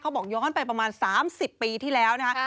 บอกย้อนไปประมาณ๓๐ปีที่แล้วนะฮะ